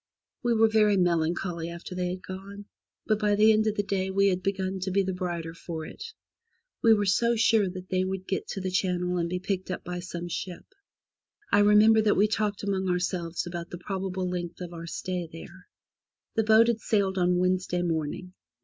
We were very melancholy after they had gone, but by the end of the day we had begun to be the brighter for it. We were so sure that they would get to the channel and be picked up by some ship. I remember that we talked among ourselves about the probable length of our stay there. The boat had sailed on Wednesday morning.